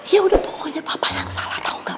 ya udah pokoknya papa yang salah tau nggak